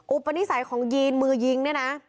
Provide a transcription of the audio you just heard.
อุปนิสัยของยีนมือยิง